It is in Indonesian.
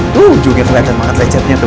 tuh juga kelihatan makan lecetnya tuh